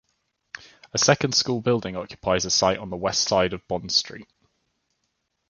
A second school building occupies a site on the west side of Bond Street.